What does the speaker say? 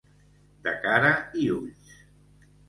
De cara i ulls.